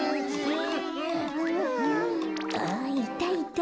あっいたいた。